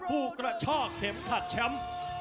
กระชากเข็มขัดแชมป์